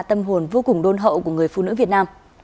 tâm hồn vô cùng đôn hậu của người phụ nữ việt nam